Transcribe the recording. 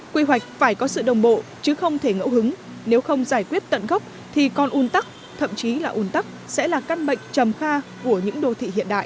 quy hoạch phải có sự đồng bộ chứ không thể ngẫu hứng nếu không giải quyết tận gốc thì còn un tắc thậm chí là un tắc sẽ là căn bệnh trầm kha của những đô thị hiện đại